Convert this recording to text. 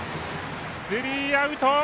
スリーアウト！